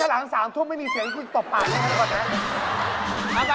ถ้าหลัง๓ทุกไม่มีเสียงพี่ตบหาแล้วก่อนนะ